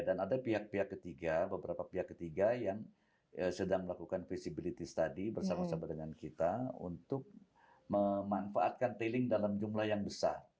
dan ada pihak pihak ketiga beberapa pihak ketiga yang sedang melakukan feasibility study bersama sama dengan kita untuk memanfaatkan tailing dalam jumlah yang besar